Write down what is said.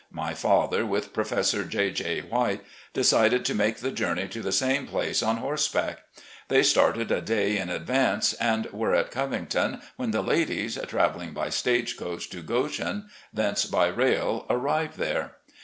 My father, with Professor J. J. White, decided to make the journey to the same place on horseback. They started a day in advance, and were at Covington when the ladies, travelling by stage coach to Goshen, thence by rail, arrived there.